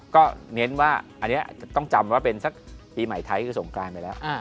ก็เน้นว่าอันนี้ต้องจำว่าเป็นสักปีใหม่ไทยคือสงการไปแล้ว